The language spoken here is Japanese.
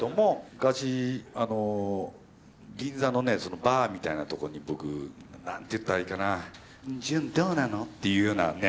昔銀座のねバーみたいなとこに僕何て言ったらいいかな「じゅんどうなの？」っていうようなね